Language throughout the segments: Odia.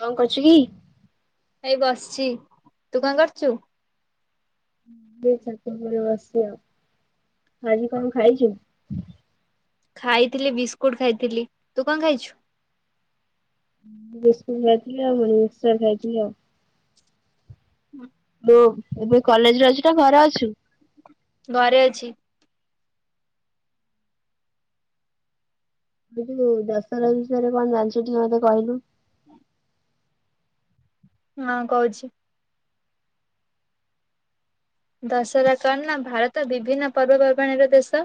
କଣ କରୁଚୁ କି? ଏଇ ବସିଛି ତୁ କଣ କରୁଛୁ? ଦେଇ ତାଙ୍କର ବଢିଆ ବାସ୍ନା, ଆଜି କଣ ଖାଇଛୁ? ଖାଇଥିଲି ବିସ୍କୁଟ ଖାଇଥିଲି। ତୁ କଣ ଖାଇଛୁ? ବିସ୍କୁଟ ଖାଇଥିଲି ଆଉ ମୁଢି ମିକ୍ସର ଖାଇଥିଲି ଆଉ। ହୁଁ। ତୁ ଏବେ କଲେଜ ରେ ଅଛୁ ନା ଘରେ ଅଛୁ? ଘରେ ଅଛି। ଏଠି ଯୋଉ ଦଶହରା ବିଷୟରେ କଣ ଜାଣିଛୁ ଟିକେ ମତେ କହିଲୁ? ହଁ କହୁଛି। ଦଶହରା କଣ ନା ଭାରତ ବିଭିନ୍ନ ପର୍ବପର୍ବାଣିର ଦେଶ।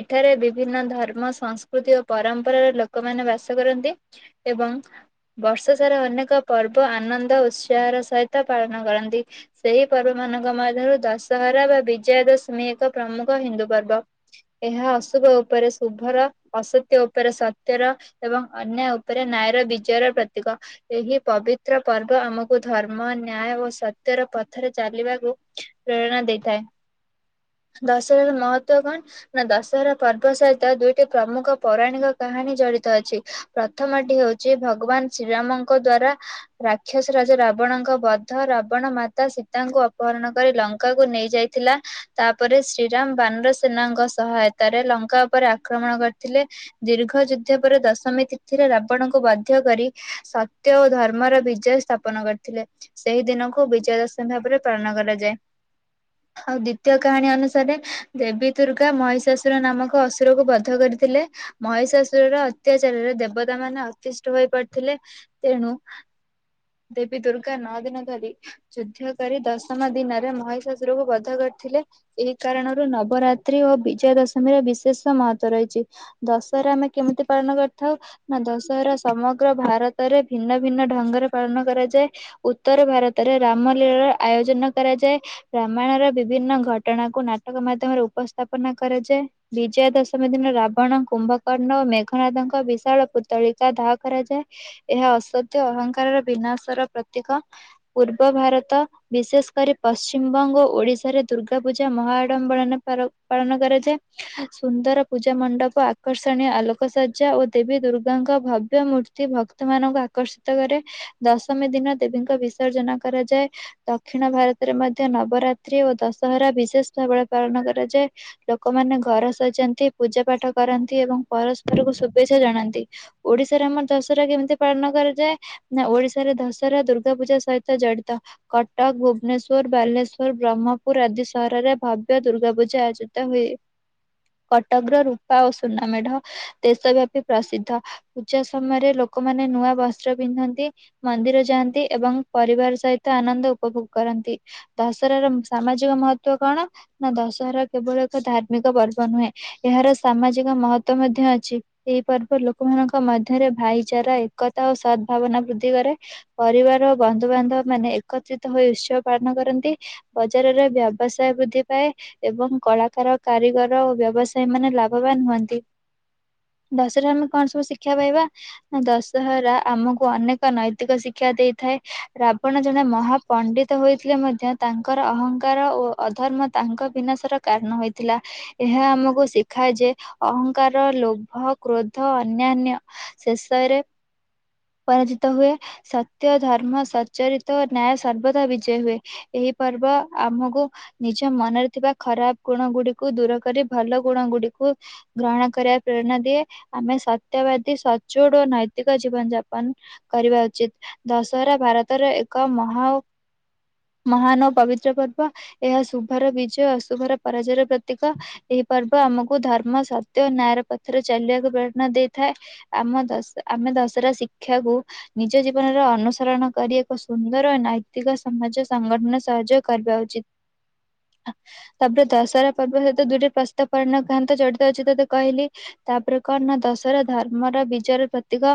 ଏଠାରେ ବିଭିନ୍ନ ଧର୍ମ, ସଂସ୍କୃତି ଓ ପରମ୍ପରାର ଲୋକମାନୋନ ବାସ କରନ୍ତି। ଏବଂ ବର୍ଷ ସାରା ଅନେକ ପର୍ବ ଆନନ୍ଦ ଉତ୍ସାହର ସହିତ ପାଳନ କରନ୍ତି। ସେହି ପର୍ବ ମାନଙ୍କ ମଧ୍ୟରୁ ଦଶହରା ବା ବିଜୟା ଦଶମୀ ଏକ ପ୍ରମୁଖ ହିନ୍ଦୁ ପର୍ବ। ଏହା ଅଶୁଭ ଉପରେ ଶୁଭର ଅସତ୍ୟ ଉପରେ ସତ୍ୟର ଏବଂ ଅନ୍ୟାୟ ଉପରେ ନାୟର ବିଜୟର ପ୍ରତୀକ। ଏହି ପବିତ୍ର ପର୍ବ ଆମକୁ ଧର୍ମ ନ୍ୟାୟ ଓ ସତ୍ୟର ପଥରେ ଚାଲିବାକୁ ପ୍ରେରଣା ଦେଇଥାଏ। ଦଶହରାର ମହତ୍ଵ କଣ ନା ଦଶହରା ପର୍ବ ସହିତ ଦୁଇଟି ପ୍ରମୁଖ ପୌରାଣିକ କାହାଣୀ ଜଡିତ ଅଛି। ପ୍ରଥମଟି ହଉଛି ଭଗବାନ ଶ୍ରୀରାମଙ୍କ ଦ୍ଵାରା ରାକ୍ଷସ ରାଜ ରାବଣଙ୍କ ବଦ୍ଧ, ରାବଣ ମାତା ସୀତାଙ୍କୁ ଅପହରଣ କରି ଲ ଲକାକୁ ନେଇ ଯାଇଥିଲା। ତାପରେ ଶ୍ରୀରାମ ବାନର ସେନାଙ୍କ ସହାୟତାରେ ଲଙ୍କା ଉପରେ ଆକ୍ରମଣ କରିଥିଲେ। ଦୀର୍ଘ ଯୁଦ୍ଧ ପରେ ଦଶମୀ ତିଥିରେ ରାବଣଙ୍କୁ ବାଧ୍ୟ କରି ସତ୍ୟ ଓ ଧର୍ମର ବିଜୟ ସ୍ଥାପ ପନ କରିଥିଲେ ସେହି ଦିନକୁ ବିଜୟା ଦଶମୀ ଭାବରେ ପାଳନ କରାଯାଏ। ଆଉ ଦ୍ଵିତୀୟ କାହାଣୀ ଅନୁସାରେ ଦେବୀ ଦୁର୍ଗା ମହିଷାଶୁର ନାମକ ଅସୁର କୁ ବଦ୍ଧ କରିଥିଲେ। ମହିଷାଶୁରର ଅତ୍ୟାଚାରରେ ଦେବତା ମାନେ ଅତିଷ୍ଠ ହୋଇ ପଡିଥିଲେ ତେଣୁ ଦେବୀ ଦୁର୍ଗା ନଅ ଦିନ ଧରି ଯୁଦ୍ଧ କରି ଦଶମ ଦିନରେ ମହିଷାଶୁରକୁ ବଧ କରିଥିଲେ। ଏହି କାରଣରୁ ନବରାତ୍ରି ଓ ବିଜୟା ଦଶମୀର ବିଶେଷ ମହତ୍ତ୍ଵ ରହିଛି। ଦଶହରା ଆମେ କେମିତି ପାଳନ କରିଥାଉ? ନା ଦଶହରା ସମଗ୍ର ଭାରତରେ ଭିନ୍ନ ଭିନ୍ନ ଢଙ୍ଗରେ ପାଳନ କରାଯାଏ। ଉତ୍ତର ଭାରତରେ ରାମ ଲୀଳାର ଆୟୋଜନ କରାଯାଏ। ରାମାୟଣ ର ବିଭିନ୍ନ ଘଟଣାକୁ ନାଟକ ମାଧ୍ୟମରେ ଉପସ୍ଥାପନା କରାଯାଏ। ବିଜୟା ଦଶମୀ ଦିନ, ରାବଣ, କୁମ୍ଭକର୍ଣ୍ଣ ଓ ମେଘନାଥଙ୍କ ବିଶାଳ ପୂ ତଳିକା ଦାହ କରାଯାଏ ଏହା ଅସତ୍ୟ, ଅହଙ୍କାରର, ବିନାଶର ପ୍ରତୀକ। ପୂର୍ବ ଭାରତ ବିଶେଷ କରି ପଶ୍ଚିମବଙ୍ଗ ଓ ଓଡିଶାରେ ଦୁର୍ଗା ପୂଜା ମହା ଆଡ଼ମ୍ବର ପାଳନ କରାଯାଏ। ସୁନ୍ଦର ପୂଜା ମଣ୍ଡପ ଆକର୍ଷଣୀୟ ଆଲୋକସଜା ଓ ଦେବୀ ଦୁର୍ଗାଙ୍କ ଭବ ବ୍ୟ ମୂର୍ତ୍ତି ଭକ୍ତ ମାନଙ୍କୁ ଆକର୍ଷିତ କରେ ଦଶମୀ ଦିନ ଦେବୀଙ୍କ ବିସର୍ଜନ କରାଯାଏ। ଦକ୍ଷିଣ ଭାରତରେ ମଧ୍ୟ ନବରାତ୍ରି ଓ ଦଶହରା ବିଶେଷ ଭାବରେ ପାଳନ କରାଯାଏ। ଲୋକମାନେ ଘର ସଜାନ୍ତି ପୂଜା ପାଠ କରନ୍ତି ଏବଂ ପରସ୍ପରକୁ ଶୁଭେଚ୍ଛା ଜଣାନ୍ତି। ଓଡିଶାରେ ଆମର ଦଶହରା କେମିତି ପାଳନ କରାଯାଏ? ନା ଓଡି ରେ ଦଶହରା ଦୁର୍ଗା ପୂଜା ସହିତ ଜଡ଼ିତ। କଟକ, ଭୁବନେଶ୍ଵର, ବାଲେଶ୍ଵର, ବ୍ରହ୍ମପୁର, ଆଦି ସହରରେ ଭବ୍ୟ ଦୁର୍ଗା ପୂଜା ଆ ହୁଏ। କଟକର ରୂପା ଓ ସୁନା ମେଢ ଦେଶ ବ୍ୟାପୀ ପ୍ରସିଦ୍ଧ ପୂଜା ସମୟରେ ଲୋକମାନେ ନୂଆ ବସ୍ତ୍ର ପିନ୍ଧନ୍ତି। ମନ୍ଦିର ଯାଆନ୍ତି ଏବଂ ପରିବାର ସହିତ ଆନନ୍ଦ ଉପଭୋଗ କରନ୍ତି। ଦଶହରାର ସାମାଜିକ ମହତ୍ୱ କଣ ନା ଦଶହରା କେବଳ ଏକ ଧାର୍ମିକ ପର୍ବ ନୁହେଁ। ଏହାର ସାମାଜିକ ମହତ୍ୱ ମଧ୍ୟ ଅଛି। ଏହି ପର୍ବ ଲୋକମାନଙ୍କ ମଧ୍ୟରେ ଭାଇଚାରା ଏକତା ଓ ସଦ୍ଭାବନା ବୃଦ୍ଧି କରେ। ପରିବାର ବନ୍ଧୁବାନ୍ଧବ ମାନେ ଏକତ୍ରିତ ହୋଇ ଉତ୍ସବ ପାଳନ କରନ୍ତି। ବଜାରରେ ବ୍ୟବସାୟ ବୃଦ୍ଧି ପାଏ। ଏବଂ କଳାକାର କାରିଗର ଓ ବ୍ୟବସାୟୀ ମାନେ ଲାଭବାନ ହୁଅନ୍ତି। ଦଶହରା ଆମେ କଣ ସବୁ ଶିକ୍ଷା ପାଇବା ନା ଦଶହରା ଆମକୁ ଅନେକ ନୈତି କ ଶିକ୍ଷା ଦେଇଥାଏ ରାବଣ ଜଣେ ମହା ପଣ୍ଡିତ ହୋଇଥିଲେ ମଧ୍ୟ ତାଙ୍କର ଅହଂକାର ଓ ଅଧର୍ମ ତାଙ୍କ ବିନାଶର କାରଣ ହୋଇଥିଲା। ଏହା ଆମକୁ ଶିଖାଏ ଯେ ଅହଂଙ୍କାର ଲୋଭ କ୍ରୋଧ ଅନ୍ୟାନ୍ୟ ଶେଷୟରେ ପରାଜିତ ହୁଏ ସତ୍ୟ ଧର୍ମ ସଚରିତ ଓ ନ୍ୟାୟ ସର୍ବଦା ବିଜୟ ହୁଏ ଏହି ପର୍ବ ଆମକୁ ନିଜ ମନରେ ଥିବା ଖରାପ ଗୁଣ ଗୁଡିକୁ ଦୂର କରି ଭଲ ଗୁଣ ଗୁଡିକୁ ଗ୍ରହଣ କରିବାକୁ ପ୍ରେରଣା ଦିଏ ଆମେ ସତ୍ୟବାଦୀ ସଚୋଡ ଓ ନୈତିକ ଜୀବନ ଯାପ ନ କରିବା ଉଚିତ ଦଶହରା ଭାରତର ଏକ ମହା ମହାନ ଓ ପବିତ୍ର ପର୍ବ ଏହା ଶୁଭର ବିଜୟ ଅଶୁଭର ପରାଜୟର ପ୍ରତୀକ ଏହି ପର୍ବ ଆମକୁ ଧର୍ମ ସତ୍ୟ ଓ ନ୍ୟାୟ ର ପଥରେ ଚାଲିବାକୁ ପ୍ରେରଣା ଦେଇଥାଏ ଆମ ଦଶ ଆମେ ଦଶହରା ଶିକ୍ଷାକୁୁ ନିଜ ଜୀବନର ଅନୁସରଣ କରି ଏକ ସୁନ୍ଦର ନୈତିକ ସମାଜ ସଂଗଠନ ସହଯୋଗ କରିବା ଉଚିତ [unintelligible] ତାପରେ ଦଶହରା ପର୍ବ ସତ ଦୁଇଟେ ପ୍ରସ୍ତାବ ପରିଣ ଖଥାନ୍ତା ଯୋଟ ତ ଅଛି ତୋତେ କହିଲି ତାପରେ କଣ ନା ଦଶହରା ଧର୍ମର ବିଜୟର ପ୍ରତୀକ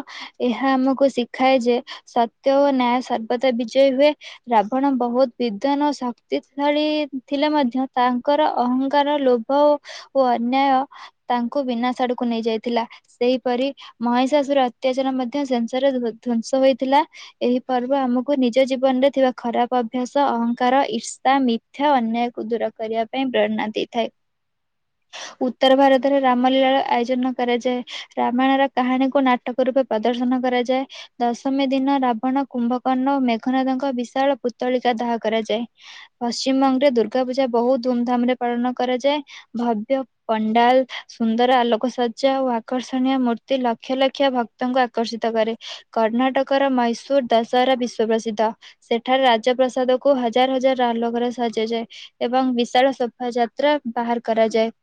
ଏହା ଆମକୁ ଶିଖାଏ ଯେ ସତ୍ୟ ଓ ନ୍ୟାୟ ସର୍ବଦା ବିଜୟୀ ହୁଏ ରାବଣ ବହୁତ ବିଦ୍ୱାନ ଓ ଶକ୍ତିଶାଳୀ ଥିଲେ ମଧ୍ୟ ତାଙ୍କର ଅହଂକାର ଲୋଭ ହ ଓ ଅନ୍ୟାୟ ତାଙ୍କୁ ବିନାସ ଆଡକୁ ନେଇ ଯାଇଥିଲା ସେହିପରି ମହିଷା ଅଶୁର ଅତ୍ୟାଚାର ମଧ୍ୟ ମଧ୍ୟ ସେସରେ ଧ୍ଵଂସ ହୋଇଥିଲା ଏହି ପର୍ବ ଆମକୁ ନିଜ ଜୀବନ ରେ ଥିବା ଖରାପ ଅଭ୍ୟାସ ଅହଂଙ୍କାର ଇର୍ଷା ମି ଥ୍ୟା ଅନ୍ୟାୟକୁ ଦୂର କରିବା ପାଇଁ ପ୍ରେରଣା ଦେଇଥାଏ [unintelligible] ଉତ୍ତର ଭାରତରେ ରାମ ଲୀଳାର ଆୟୋଜନ କରାଯାଏ ରାମାୟଣ ର କାହାଣୀକୁ ନାଟକ ରୂପେ ପ୍ରଦର୍ଶନ କରାଯାଏ ଦଶମୀ ଦିନ ରାବଣ କୁମ୍ଭକର୍ଣ୍ଣ ଓ ମେଘନାଥଙ୍କ ବିଶାଳ ପୁତଳିକା ଦାହ କରାଯାଏ ପଶ୍ଚିମବଙ୍ଗ ରେ ଦୁର୍ଗା ପୂଜା ବହୁତ ଧୁମଧାମ ରେ ପାଳନ କରାଯାଏ ଭବ୍ୟ ପଣ୍ଡାଲ ସୁନ୍ଦର ଆଲୋକସଜା ଓ ଆକର୍ଷଣୀୟ ମୂର୍ତ୍ତି ଲକ୍ଷ ଲକ୍ଷ ଭକ୍ତ ଆକର୍ଷିତ କରେ କର୍ଣ୍ଣାଟକର ମୈସୂର ଦଶହରା ବିଶ୍ଵ ପ୍ରସିଦ୍ଧ ସେଠାରେ ରାଜପ୍ରସାଦ କୁ ହଜାର ହଜାର ଆଲୋକରେ ସଜା ଯାଏ ଏବଂ ବିଶାଳ ସୋଭା ଯାତ୍ରା ବାହାର କରାଯାଏ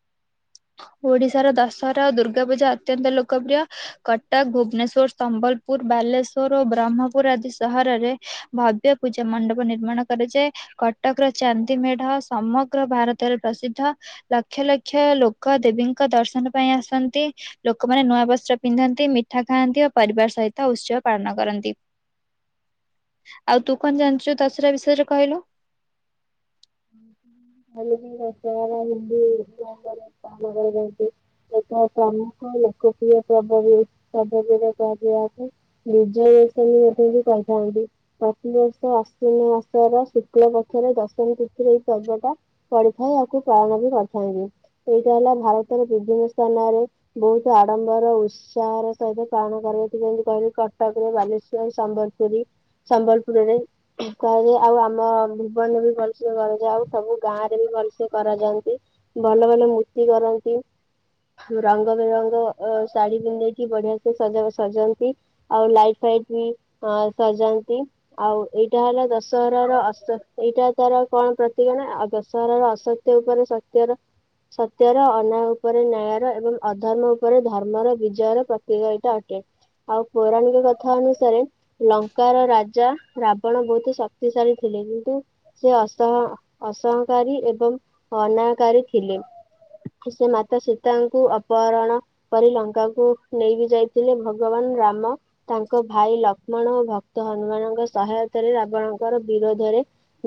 ଓଡିଶାର ଦଶହରା ଓ ଦୁର୍ଗା ପୂଜା ଅତ୍ୟନ୍ତ ଲୋକପ୍ରିୟ କ ଟକ ଭୁବନେଶ୍ବର ସମ୍ବଲପୁର ବାଲେଶ୍ଵର ଓ ବ୍ରହ୍ମପୁର ଆଦି ସହରରେ ଭବ୍ୟ ପୂଜା ମଣ୍ଡପ ନିର୍ମାଣ କରାଯାଏ କଟକର ଚାନ୍ଦି ମେଢ ସମଗ୍ର ଭାରତରେ ପ୍ରସିଦ୍ଧ ଲକ୍ଷ ଲକ୍ଷ ଲୋକ ଦେବୀଙ୍କ ଦର୍ଶନ ପାଇଁ ଆସନ୍ତି। ଲୋକମାନେ ନୂଆ ବସ୍ତ୍ର ପିନ୍ଧନ୍ତି ମେ ଉଠା ଖାଆନ୍ତି ଓ ପରିବାର ସହିତ ଉତ୍ସବ ପାଳନ କରନ୍ତି। ଆଉ ତୁ କଣ ଜାଣିଛୁ ଦସରା ବିଷୟରେ କହିଲୁ? [inaudible] ଟ ପ୍ରମୁଖ ଲୋକପ୍ରିୟରେ କୁହାଯିବା। ବିଜୟା ଦଶମୀ ବି କହିଥାନ୍ତି। ପ୍ରତିବର୍ଷ ଆଶ୍ୱିନ ମାସର ଶୁକ୍ଳ ପକ୍ଷରେ ଦଶମୀ ତିଥି ସେରେ ଏଇ ପର୍ବଟା ପଡିଥାଏ ଆଉକୁ ପାଳନ ବି କରିଥାନ୍ତି। ଏଇଟା ହେଲା ଭାରତର ବିଭିନ୍ନ ସ୍ଥାନରେ ବହୁତ ଆଡମ୍ବର ଉତ୍ସାହର ସହିତ ପାଳନ କରାଯାଉ ଯେମିତି କହିଲି କଟକରେ ବାଲେସ୍ଵର ସମ୍ବଲପୁରୀ ସମ୍ବଲପୁରରେ କାରେ ଆଉ ଆମ ଭୁବନରେ ବି ଭଲ କରାଯାଏ ଆଉ ସବୁ ଗାଁ ରେ ବି ଭଲସେ କରାଯାନ୍ତି ଭଲ ଭଲ ମୂର୍ତ୍ତି କରନ୍ତି। ରଙ୍ଗ ବେରଙ୍ଗ ଅ ଶାଢୀ ପିନ୍ଧେଇକି ବଢିଆ ସେ ସଜ ସଜନ୍ତି। ଆଉ ଲାଇଟ୍ ଫାଇଟ୍ ବି ସଜାନ୍ତି। ଆଉ ଏଇଟା ହେଲା ଦଶହରାର ଅସ୍ତ ଏଇଟା ଦଶରାର କଣ ପ୍ରତିକ ନା ଦଶରାର ଅସତ୍ୟ ଉପରେ ସତ୍ୟର ସତ୍ୟର ଅନ୍ୟାୟ ଉପରେ ନ୍ୟାୟର ଏବଂ ଅଧର୍ମ ଉପରେ ଧର୍ମର ବିଜୟର ପ୍ରତିଯୋଗିତା ଅଟେ। ଆଉ ପୌରାଣିକ କଥା ଅନୁସାରେ ଲଙ୍କାର ରାଜା ରାବଣ ବହୁତ ଶକ୍ତିଶାଳୀ ଥିଲେ କିନ୍ତୁ ସେ ଅସହ ଅସହକାରୀ ଏବଂ ଅନାୟକାରୀ ଥିଲେ। ସେ ମାତା ସୀତାଙ୍କୁ ଅପହରଣ ପ ଲଙ୍କାକୁ ନେଇକି ଯାଇଥିଲେ ଭଗବାନ ରାମ ତାଙ୍କ ଭାଇ ଲକ୍ଷ୍ମଣ ଓ ଭକ୍ତ ହନୁମାନଙ୍କ ସହାୟତାରେ ରାବଣଙ୍କର ବିରୋଧରେ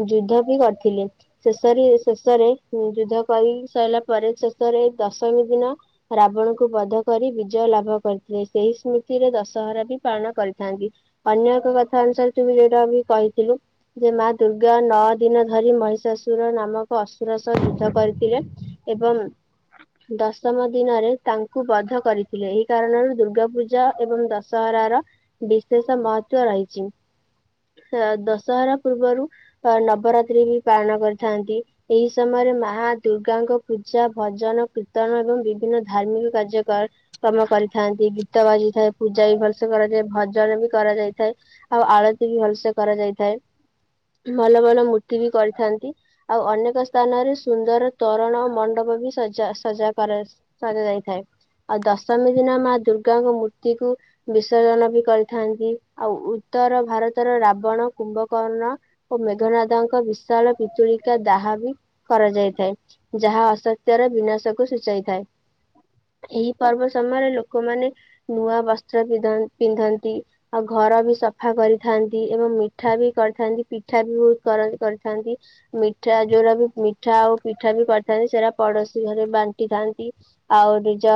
ଯୁଦ୍ଧ ବି କରିଥିଲେ। ଶେଷରେ ଶେଷରେ ଯୁଦ୍ଧ କରି ସରିଲା ପରେ ଶେଷରେ ଦଶମୀ ଦିନ ରାବଣଙ୍କୁ ବଧ କରି ବିଜୟ ଲାଭ କରିଥିଲେ। ସେହି ସ୍ମୃତିରେ ଦଶହରା ବି ପାଳନ କରିଥାନ୍ତି। ଅନ୍ୟ ଏକ କଥା ଅନୁସାରେ ତୁମେ ଯୋଟା ବି କହିଥିଲୁ ଯେ ମା ଦୁର୍ଗା ନଅ ଦିନ ଧରି ମହିଷାଶୁର ନାମକ ଅସୁର ସହ ଯୁଦ୍ଧ କରିଥିଲେ। ଏବଂ ଦଶମ ଦିନରେ ତାଙ୍କୁ ବଧ କରିଥିଲେ। ଏହି କାରଣରୁ ଦୁର୍ଗା ପୂଜା ଏବଂ ଦଶ ଦଶହରାର ବିଶେଷ ମହତ୍ଵ ରହିଛି। ଦଶହରା ପୂର୍ବରୁ ଅ ନବରାତ୍ରି ବି ପାଳନ କରିଥାନ୍ତି। ଏହି ସମୟରେ ମା ଦୁର୍ଗାଙ୍କ ପୂଜା ଭଜନ କୀର୍ତ୍ତନ ଏବଂ ବିଭିନ୍ନ ଧାର୍ମିକ କାର୍ଯ୍ୟ କାମ କରିଥାନ୍ତି ଗୀତ ବାଜିାଇଥାଏ ପୂଜା ବି ଭଲସେ କରାଯାଏ। ଭଜନ ବି କରାଯାଇଥାଏ। ଆଉ ଆଳତି ବି ଭଲସେ କରାଯାଇଥାଏ। ଭଲ ଭଲ ମୂର୍ତ୍ତି ବି କରିଥାନ୍ତି। ଆଉ ଅନେକ ସ୍ଥାନରେ ସୁନ୍ଦର ତୋରଣ ମଣ୍ଡପ ବି ସଜା ସଜା କରାଯ ସଜ ଯାଇଥାଏ ଆଉ ଦଶମୀ ଦିନ ମା ଦୁର୍ଗାଙ୍କ ମୂର୍ତ୍ତି କୁ ବିସର୍ଜନ ବି କରିଥାନ୍ତି। ଆଉ ଉତ୍ତର ଭାରତର ରାବଣ, କୁମ୍ଭକର୍ଣ ଓ ମେଘନାଦଙ୍କ ବିଶାଳ ପିିତୁଳିକା ଦାହା ବି କରାଯାଇଥାଏ। ଯାହା ଅସତ୍ୟର ବିନାଶକୁ ସୂଚାଇଥାଏ। ଏହି ପର୍ବ ସମୟରେ ଲୋକମାନେ ନୂଆ ବସ୍ତ୍ର ପିଧ ପିନ୍ଧନ୍ତି। ଆଉ ଘର ବି ସଫା କରିଥାନ୍ତି। ଏବଂ ମିଠା ବି କରିଥାନ୍ତିି। ପିଠା ବି ବହୁତ କରନ୍ତି କରିଥାନ୍ତି। ମିଠା ଯୋଉଟା ବି ମିଠା ଆଉ ପିଠା ବି କରିଥାନ୍ତି। ସେଟା ପଡୋଶୀ ଘରେ ବାଣ୍ଟି ଥାନ୍ତି। ଆଉ ନିଜ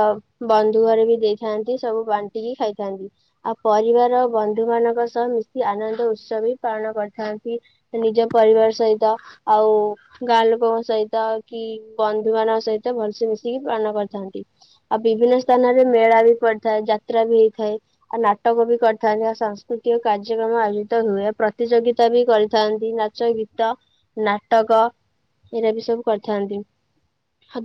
ବନ୍ଧୁ ଘରେ ବି ଦେଇଥାନ୍ତି। ସବୁ ବାଣ୍ଟିକି ଖାଇଥାନ୍ତି। ଆଉ ପରିବାର ବନ୍ଧୁ ମାନଙ୍କ ସହ ମିଶି ଆନନ୍ଦ ଉତ୍ସବ ବି ପାଳନ କରିଥାନ୍ତି। କି ନିଜ ପରିବାର ସହିତ ଆଉ ଗାଁ ଲୋକଙ୍କ ସହିତ କି ବନ୍ଧୁ ମାନଙ୍କ ସହିତ ଭଲସେ ମିଶିକି ପାଳନ କରିଥାନ୍ତି। ଆଉ ବିଭିନ୍ନ ସ୍ଥାନରେ ମେଳା ବି ପଡିଥାଏ, ଯାତ୍ରା ବି ହେଇଥାଏ। ଆଉ ନାଟକ ବି କରିଥାନ୍ତି, ଆଉ ସାଂସ୍କୃତିକ କାର୍ଯ୍ୟକ୍ରମ ଆୟୋଜିତ ହୁଏ ଆଉ ପ୍ରତିଯୋଗିତା ବି କରିଥାନ୍ତି ନାଚ, ଗୀତ, ନାଟକ ଏଇରା ବି ସବୁ କରିଥାନ୍ତି।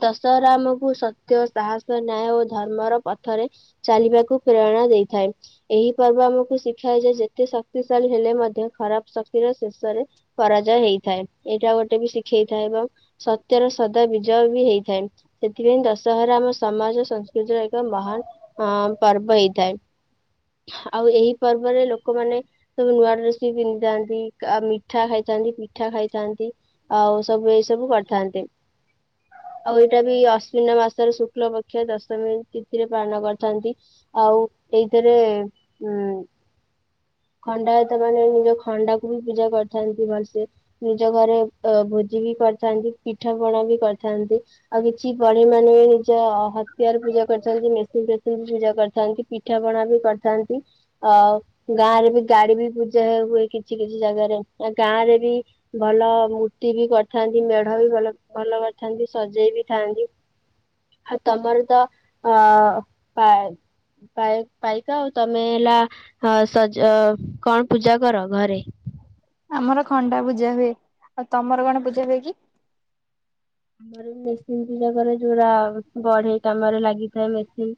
ଦଶହରା ଆମକୁ ସତ୍ୟ, ସାହସ, ନ୍ୟାୟ ଓ ଧର୍ମର ପଥରେ ଚାଲିବାକୁ ପ୍ରେରଣା ଦେଇଥାଏ। ଏହି ପର୍ବ ଆମକୁ ଶିଖାଏ ଯେ ଯେତେ ଶକ୍ତିଶାଳୀ ହେଲେ ମଧ୍ୟ ଖରାପ ଶ କ୍ତିର ଶେଷରେ ପରାଜୟ ହେଇଥାଏ, ଏଇଟା ଗୋଟେ ବି ଶିଖେଇ ଥାଏ ଏବଂ ସତ୍ୟର ସଦା ବିଜୟ ବି ହେଇଥାଏ। ସେଥିପାଇଁ ଦଶହରା ଆମ ସମାଜ, ସଂସ୍କୃତିର ଏକ ମହାନ୍ ହଁ ପର୍ବ ହେଇଥାଏ। ଆଉ ଏହି ପର୍ବରେ ଲୋକମାନେ ସବୁ ନୂଆ ଡ୍ରେସ୍ ବି ପିନ୍ଧିଥାନ୍ତି। ମିଠା ଖାଇଥାନ୍ତି, ପିଠା ଖାଇଥାନ୍ତି ଆଉ ସବୁ ଏଇସବୁ କରିଥାନ୍ତି। ଆଉ ଏଇଟା ବି ଆଶ୍ୱନ ମାସର ଶୁକ୍ଲ ପକ୍ଷ ଦଶମୀ ତିଥିରେ ପାଳନ କରିଥାନ୍ତି। ଆଉ ଏଇଥେରେ ଉଁ ଖଣ୍ଡାୟତମାନେ ନିଜ ଖଣ୍ଡାକୁ ବି ପୂଜା କରିଥାନ୍ତି ଭଲ୍ସେ। ନିଜ ଘରେ ଅ ଭୋଜି ବି କରିଥାନ୍ତି, ପିଠାପଣା ବି କରିଥାନ୍ତି। ଆଉ କିଛି ବଢ଼େଇ ମାନେ ନିଜ ହତିଆର ପୂଜା କରିଚନ୍ତି, ମେସିନ୍ ଫେସିନ୍ ବି ପୂଜା କରିଥାନ୍ତି। ପିଠା ପଣା ବି କରିଥାନ୍ତି, ଆଉ ଗାଁରେ ବି ଗାଡି ବି ପୂଜା ହୁଏ କି ଛି କିଛି ଜାଗାରେ ଆ ଗାଁରେ ବି ଭଲ ମୂର୍ତ୍ତି ବି କରିଥାନ୍ତି, ମେଢ ବି ଭଲ-ଭଲ କରିଥାନ୍ତି ସଜେଇ ବି ଥାନ୍ତି। ଆ ତମର ତ ଅ ପାଏ ପାଇ ପାଇକ ଆଉ, ତମେ ହେଲା ସଜ କଣ ପୂଜା କର ଘରେ? ଆମର ଖଣ୍ଡା ପୂଜା ହୁଏ, ଆଉ ତମର କଣ ପୂଜା ହୁଏ କି? ଆମର ମେସିନ୍ ପୂଜାକରେ ଯୋଉରା ବଢ଼େଇ କାମରେ ଲାଗିଥାଏ ମେସିନ୍।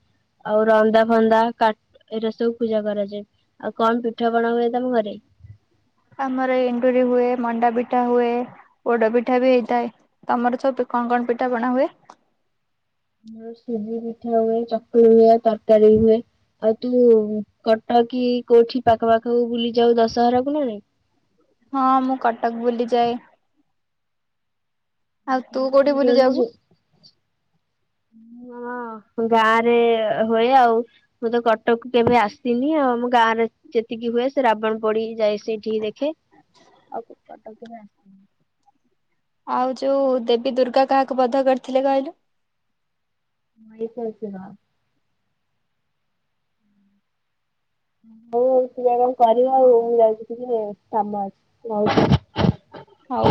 ଆଉ ରନ୍ଦା ଫନ୍ଦା କା ଏଇରା ସବୁ ପୂଜା କରାଯାଏ। ଆଉ କଣ ପିଠାପଣା ହୁଏ ତମ ଘରେ? ଆମର ଏଣ୍ଡୁରି ହୁଏ, ମଣ୍ଡାପିଠା ହୁଏ ପୋଡ ପିଠା ବି ହେଇଥାଏ, ତମର ସବୁ କଣ-କଣ ପିଠାପଣା ହୁଏ? ଆମର ସୁଜି ପିଠା ହୁଏ, ଚକୁଳି ହୁଏ, ତରକାରୀ ହୁଏ। ଆଉ ତୁ କଟକ୍ କି କୋଉଠି ପାଖ ପାଖକୁ ବୁଲି ଯାଉ ଦଶହରା କୁ ନା ନାଇଁ? ହଁ ମୁଁ କଟକ୍ ବୁଲି ଯାଏ। ଆଉ ତୁ [inaudible] କୋଉଠି ବୁଲି ଯାଉ? ହଁ ଗାଁରେ ହୁଏ ଆଉ। ମୁଁ ତ କଟକ୍ କୁ କେବେ ଆସିନି ଆଉ, ଆମ ଗାଁରେ ଯେତିକି ହୁଏ ସେ ରାବଣ ପୋଡି ଯାଏ ସେ ଠିକି ଦେଖେ। ଆଉ ଯୋଉ ଦେବୀ ଦୁର୍ଗା କାହାକୁ ବଦ୍ଧ କରିଥିଲେ କହିଲୁ? ମହିଷାସୁର। ହଉ-ହଉ ତୁ ଯା କଣ [unintelligible] ଆଉ, ମୁଁ ଯାଉଚି ଟିକେ କାମ ଅଛି ରହୁଚି। ହଉ।